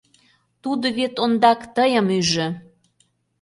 Тудо вет ондак тыйым ӱжӧ.